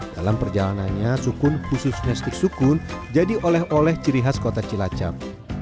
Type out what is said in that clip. dalam perjalanannya sukun khususnya stik sukun jadi oleh oleh ciri khas kota cilacap